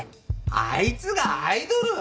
あいつがアイドル⁉